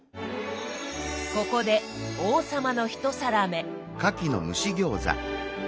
ここで王様の１皿目。